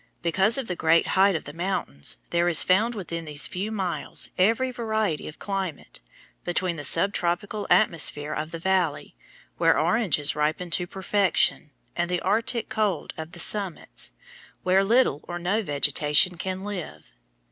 Because of the great height of the mountains, there is found within these few miles every variety of climate between the sub tropical atmosphere of the valley, where oranges ripen to perfection, and the arctic cold of the summits, where little or no vegetation can live.